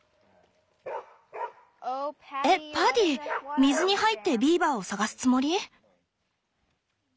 えっパディ水に入ってビーバーを探すつもり？